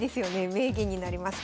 名言になります。